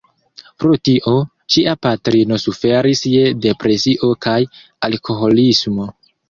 Pro tio, ŝia patrino suferis je depresio kaj alkoholismo.